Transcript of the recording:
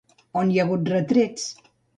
On hi ha hagut retrets?